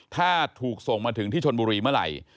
ถ้าถูกส่งมาถึงที่ชนบุรีเมื่อไหร่